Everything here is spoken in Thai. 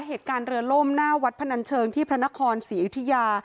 เหตุการณ์เรือล่มหน้าวัดพนันเชิงที่พระนครศรีอยุธยา